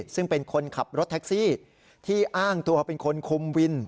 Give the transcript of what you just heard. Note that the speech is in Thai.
ซึ่งเป็นคนขับรถแท็กซี่ที่อ้างตัวเป็นคนคุมวิน